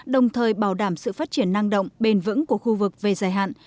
đồng thời bảo đảm sự phát triển năng động bền vững của khu vực về dài hạn